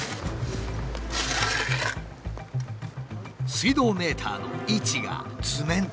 水道メーターの位置が図面と違う。